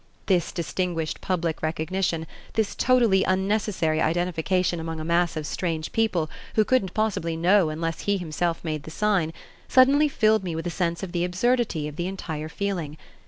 This distinguished public recognition, this totally unnecessary identification among a mass of "strange people" who couldn't possibly know unless he himself made the sign, suddenly filled me with a sense of the absurdity of the entire feeling.